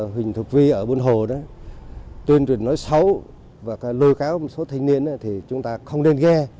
huỳnh thục vy ở bồn hồ tuyên truyền nói xấu và lôi cáo một số thành niên thì chúng ta không nên ghe